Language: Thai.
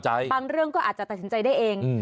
บางเรื่องก็อาจจะตัดสินใจได้เอง